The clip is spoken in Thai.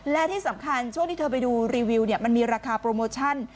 และที่สำคัญช่วงที่เธอไปดูรีวิวมันมีราคาโปรโมชั่น